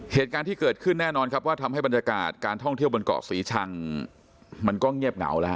เหตุการณ์ที่เกิดขึ้นแน่นอนครับว่าทำให้บรรยากาศการท่องเที่ยวบนเกาะศรีชังมันก็เงียบเหงาแล้วฮ